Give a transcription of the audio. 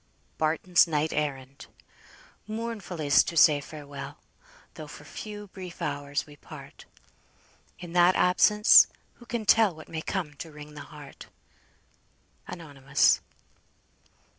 BARTON'S NIGHT ERRAND. "Mournful is't to say Farewell, Though for few brief hours we part; In that absence, who can tell What may come to wring the heart!" ANONYMOUS.